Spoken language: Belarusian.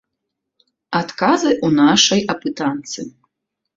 Адказы ў нашай апытанцы.